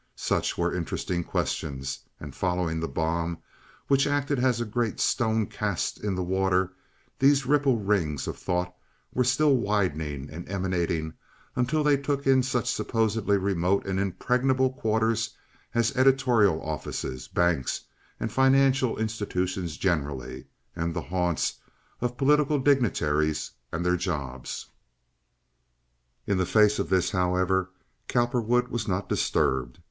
Such were interesting questions, and following the bomb—which acted as a great stone cast in the water—these ripple rings of thought were still widening and emanating until they took in such supposedly remote and impregnable quarters as editorial offices, banks and financial institutions generally, and the haunts of political dignitaries and their jobs. In the face of this, however, Cowperwood was not disturbed.